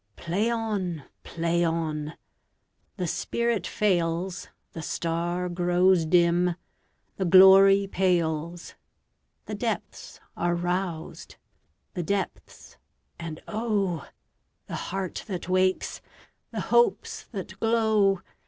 Play on! Play on! The spirit fails, The star grows dim, the glory pales, The depths are roused—the depths, and oh! The heart that wakes, the hopes that glow!